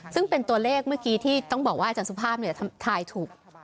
ซึ่งเป็นตัวเลขเมื่อกี้ที่ต้องบอกว่าอาจารย์สุภาพทายถูก